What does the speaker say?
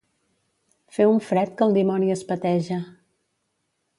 Fer un fred que el dimoni es peteja.